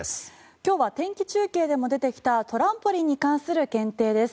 今日は天気中継でも出てきたトランポリンに関する検定です。